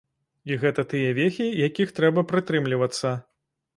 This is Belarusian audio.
І гэта тыя вехі, якіх трэба прытрымлівацца.